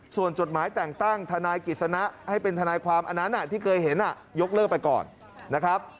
ส่วนจดหมายแต่งตั้งทนายกิจสนะให้เป็นทนายความอันนั้นที่เคยเห็นยกเลิกไปก่อนนะครับ